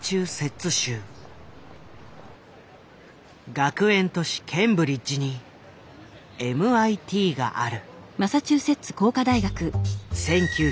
学園都市ケンブリッジにＭＩＴがある。